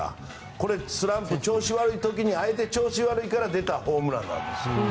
これスランプで調子悪い時に相手、調子悪いから出たホームランなんですよ。